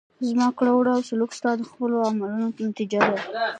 زما کړه وړه او سلوک ستا د خپلو عملونو نتیجه ده.